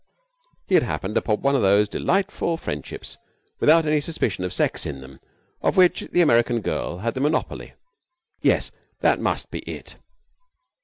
He had happened upon one of those delightful friendships without any suspicion of sex in them of which the American girl had the monopoly. Yes, that must be it.